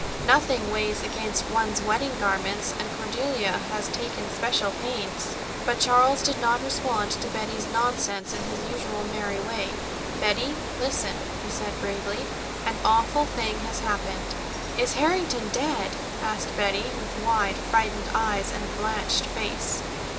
Nothing weighs against one's wedding garments, and Cordelia has taken special pains." But Charles did not respond to Betty's nonsense in his usual merry way. "Betty, listen," he said gravely. "An awful thing has happened." "Is Harrington dead?" asked Betty, with wide, frightened eyes and blanched face.